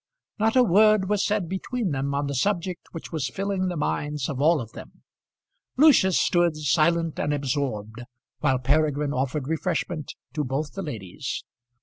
Not a word was said between them on the subject which was filling the minds of all of them. Lucius stood silent and absorbed while Peregrine offered refreshment to both the ladies.